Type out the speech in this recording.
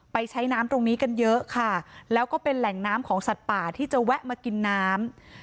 ใช้น้ำตรงนี้กันเยอะค่ะแล้วก็เป็นแหล่งน้ำของสัตว์ป่าที่จะแวะมากินน้ำ